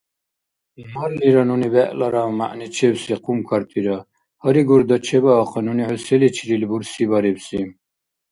Марлира нуни бегӀлара мягӀничебси хъумкартира! Гьари, Гурда, чебаахъа, нуни хӀу селичирил бурсибарибси!